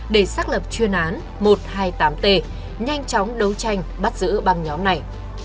để xác lập chuyên án một trăm hai mươi tám t nhanh chóng đấu tranh bắt giữ băng nhóm này